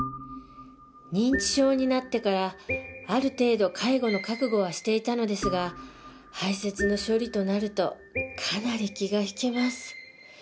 認知症になってからある程度介護の覚悟はしていたのですが排泄の処理となるとかなり気が引けます。